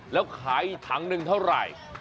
แล้วขายอีกถังหนึ่งเท่าไหร่